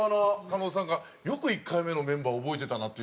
狩野さんがよく１回目のメンバー覚えてたなっていうか。